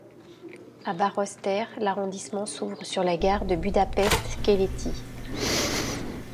A Baross tér, l'arrondissement s'ouvre sur la Gare de Budapest-Keleti.